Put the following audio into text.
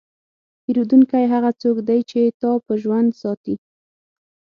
پیرودونکی هغه څوک دی چې تا په ژوند ساتي.